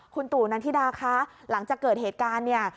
คุณตู่นันธิดาคะหลังจากเกิดเหตุการณ์เนี่ย